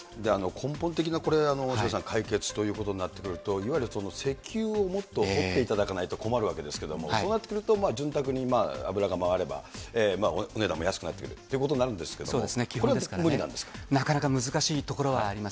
根本的な解決ということになってくると、いわゆる石油をもっと掘っていただかないと困るわけですけれども、そうなってくると潤沢に油が回れば、お値段も安くなってくるということになるんですけれども、これはなかなか難しいところはあります。